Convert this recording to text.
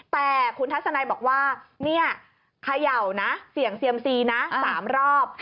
แต่คุณทัศนัยบอกว่าเนี่ยเขย่านะเสี่ยงเซียมซีนะ๓รอบ